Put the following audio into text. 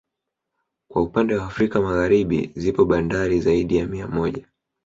Kwa upannde wa Afrika ya Magharibi zipo bandari zaidi ya mia moja